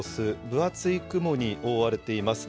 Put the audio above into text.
分厚い雲に覆われています。